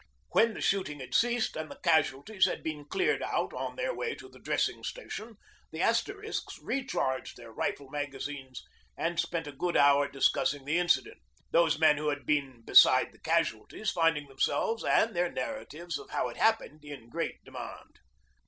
When the shooting had ceased and the casualties had been cleared out on their way to the dressing station, the Asterisks recharged their rifle magazines and spent a good hour discussing the incident, those men who had been beside the casualties finding themselves and their narratives of how it happened in great demand.